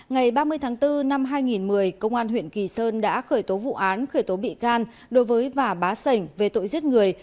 ngày ba mươi tháng bốn năm hai nghìn một mươi công an huyện kỳ sơn đã khởi tố vụ án khởi tố bị can đối với vả bá sảnh về tội giết người